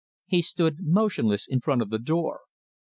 He stood motionless in front of the door.